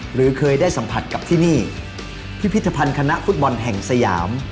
หรือเคยได้สัมผัสกับที่นี่พิพิธภัณฑ์คณะฟุตบอลแห่งสยาม